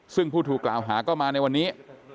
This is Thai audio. ซึ่งผู้ถูกกล่าวหาก็มาในวันนี้